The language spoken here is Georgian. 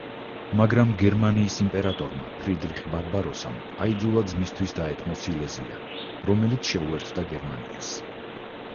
მაგრამ გერმანიის იმპერატორმა ფრიდრიხ ბარბაროსამ აიძულა ძმისთვის დაეთმო სილეზია, რომელიც შეუერთდა გერმანიას.